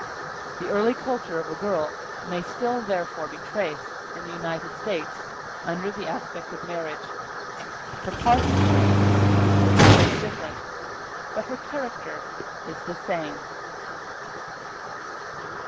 The early culture of the girl may still therefore be traced, in the United States, under the aspect of marriage: her part is changed, her habits are different, but her character is the same.